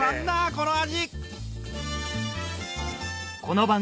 この味！